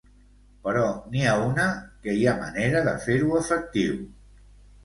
Però n'hi ha una que hi ha manera de fer-ho efectiu.